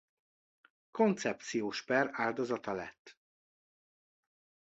Koncepciós per áldozata lett.